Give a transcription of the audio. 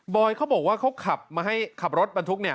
เขาบอกว่าเขาขับมาให้ขับรถบรรทุกเนี่ย